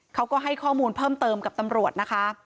เขาก็ให้ข้อมูลเพิ่มเติมกับตำรวจนะคะ